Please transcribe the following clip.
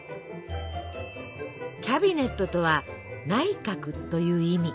キャビネットとは「内閣」という意味。